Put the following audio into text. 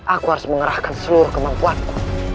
aku harus mengerahkan seluruh kemampuanku